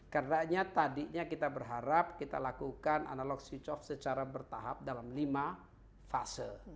karena tadinya kita berharap kita lakukan analog switch off secara bertahap dalam lima fase